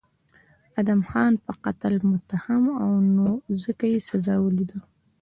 ادهم خان په قتل متهم و نو ځکه یې سزا ولیده.